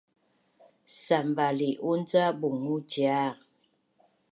Sanvali’un ca bungu cia